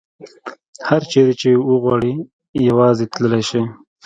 هر چیرې چې وغواړي یوازې تللې شي.